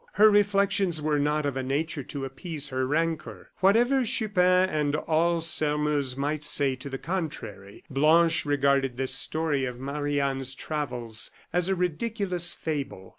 Her reflections were not of a nature to appease her rancor. Whatever Chupin and all Sairmeuse might say to the contrary, Blanche regarded this story of Marie Anne's travels as a ridiculous fable.